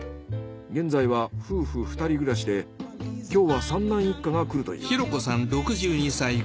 現在は夫婦２人暮らしで今日は三男一家が来るという。